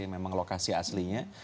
memang lokasi aslinya